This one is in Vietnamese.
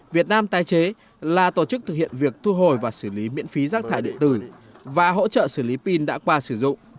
việt nam tái chế là tổ chức thực hiện việc thu hồi và xử lý miễn phí rác thải điện tử và hỗ trợ xử lý pin đã qua sử dụng